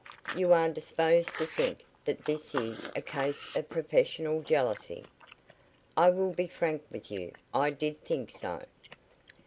You are disposed to think that this is a case of professional jealousy." "I will be frank with you. I did think so."